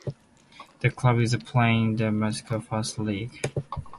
The club is playing in the Macedonian First League.